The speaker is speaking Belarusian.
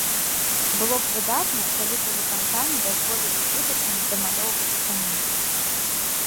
Было б выдатна, калі б у выканкаме дазволілі ў будучыні дамалёўваць сцяну.